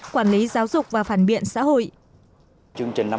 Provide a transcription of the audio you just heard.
quản lý giáo dục và phản biện xã hội